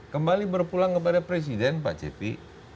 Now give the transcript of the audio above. kembali berpulang kepada presiden pak cepi